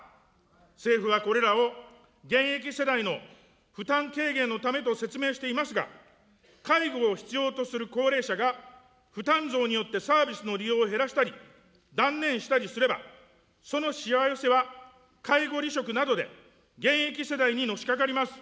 政府はこれらを、現役世代の負担軽減のためと説明していますが、介護を必要とする高齢者が、負担増によってサービスの利用を減らしたり、断念したりすれば、そのしわ寄せは、介護離職などで現役世代にのしかかります。